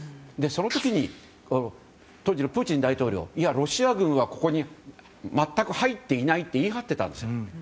その時に当時のプーチン大統領いや、ロシア軍はここに全く入っていないって言い張っていたんです。